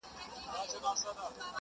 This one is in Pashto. دا آخره زمانه ده په پیمان اعتبار نسته!